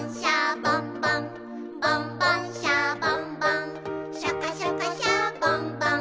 「ボンボン・シャボン・ボンシャカシャカ・シャボン・ボン」